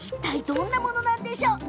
どんなものなんでしょうか？